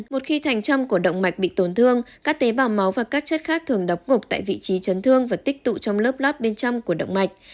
một khi thành trong của động mạch bị tổn thương các tế bào máu và các chất khác thường độc ngộc tại vị trí chấn thương và tích tụ trong lớp lót bên trong của động mạch